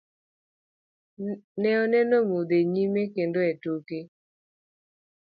Ne oneno mudho enyime kendo e toke.